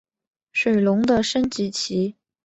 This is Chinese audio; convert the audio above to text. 水龙的升级棋。